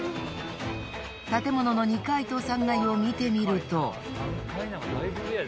建物の２階と３階を見てみると。